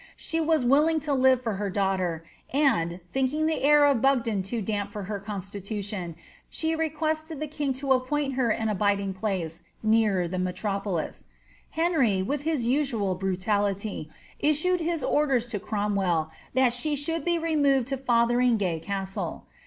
She was willing to live for her daughter, and, thinking the air of Biigden too damp for her constitution, she requested the king to appoint her an abiding place nearer the metropolis.' Henry, witii his usual brutaliljy issued his orders to Cromwell, that she should be removed to Fothe ringay Castle.'